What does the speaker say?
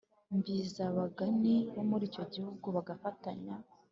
Mbi z abapagani bo muri icyo gihugu bagafatanya